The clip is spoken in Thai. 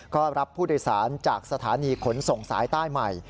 ก็รับผู้โดยสารจากสถานีขนส่งสายใต้ใหม่